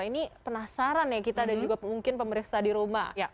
ini penasaran ya kita dan juga mungkin pemeriksa di roma